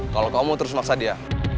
kalau kamu terus maksa dia